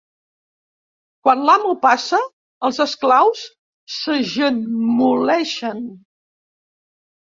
Quan l'amo passa, els esclaus s'agemoleixen.